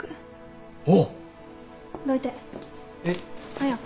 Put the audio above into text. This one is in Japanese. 早く